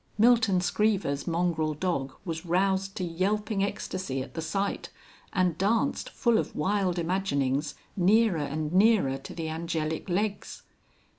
Milton Screever's mongrel dog was roused to yelping ecstacy at the sight, and danced (full of wild imaginings) nearer and nearer to the angelic legs.